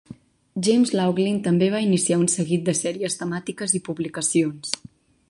James Laughlin també va iniciar un seguit de sèries temàtiques i publicacions.